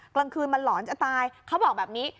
กลางคืนมันหลอนจะตายเขาบอกแบบนี้